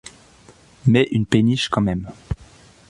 mais une péniche quand même.